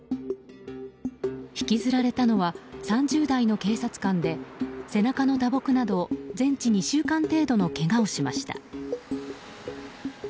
引きずられたのは３０代の警察官で背中の打撲など全治２週間程度のけがをしました。